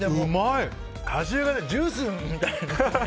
果汁がジュースみたい。